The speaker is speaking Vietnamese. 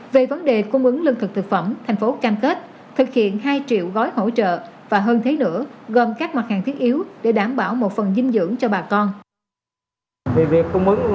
đối với quận huyện còn lại thì síp ơi chỉ hoạt động trong quận